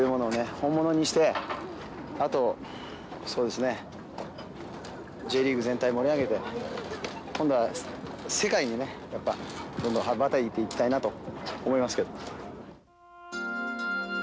本物にしてあとそうですねＪリーグ全体を盛り上げて今度は世界にねやっぱどんどん羽ばたいていきたいなと思いますけど。